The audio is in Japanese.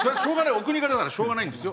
お国柄だからしょうがないんですよ。